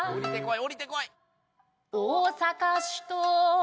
降りてこい！